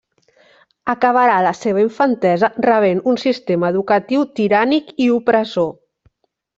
Acabarà la seva infantesa rebent un sistema educatiu tirànic i opressor.